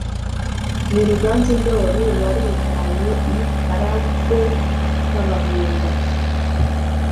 ni Ruganzu Ndoli warivanye i Karagwe k'Abahinda,